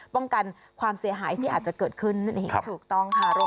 ป้องกันความเสียหายที่อาจจะเกิดขึ้นนั่นเองถูกต้องค่ะ